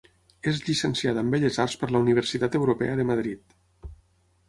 És llicenciada en Belles arts per la Universitat Europea de Madrid.